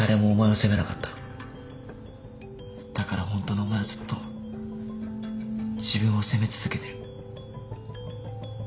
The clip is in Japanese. だからホントのお前はずっと自分を責め続けてる。